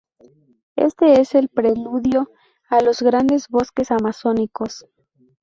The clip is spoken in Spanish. Éste es el preludio a los grandes bosques amazónicos.